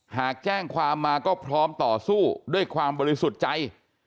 หากแจ้งความมาก็พร้อมต่อสู้ด้วยความบริสุทธิ์ใจ